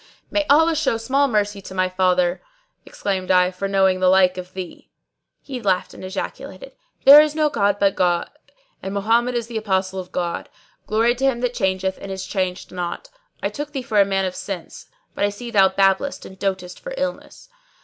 '" "May Allah show small mercy to my father," exclaimed I, "for knowing the like of thee." He laughed and ejaculated, "There is no god but the God and Mohammed is the Apostle of God! Glory to Him that changeth and is changed not! I took thee for a man of sense, but I see thou babblest and dotest for illness.